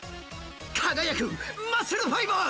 かがやくマッスルファイバー！